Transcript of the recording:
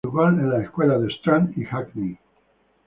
Se educó en escuelas de Strand y Hackney.